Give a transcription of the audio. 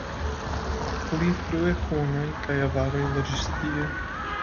Pli frue hunoj kaj avaroj loĝis tie.